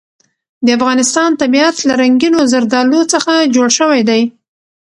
د افغانستان طبیعت له رنګینو زردالو څخه جوړ شوی دی.